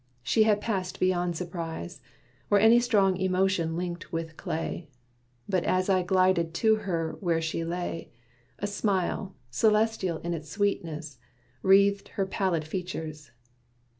She had passed beyond surprise, Or any strong emotion linked with clay. But as I glided to her where she lay, A smile, celestial in its sweetness, wreathed Her pallid features.